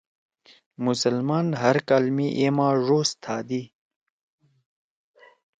مسلمان ہر کال می اے ماہ ڙوز تھادی۔